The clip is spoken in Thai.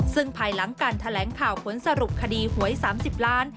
ซึ่งภายหลังการแถลงข่าวผลสรุปคดีหวย๓๐ล้าน